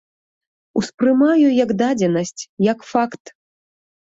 Успрымаю як дадзенасць, як факт.